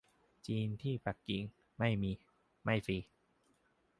จีนที่ปักกิ่ง ไม่มี ไม่ฟรี